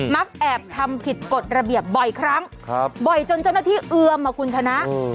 มักแอบทำผิดกฎระเบียบบ่อยครั้งบ่อยจนเจ้าหน้าที่เอือมอ่ะคุณชนะ